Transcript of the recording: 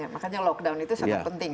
makanya lockdown itu sangat penting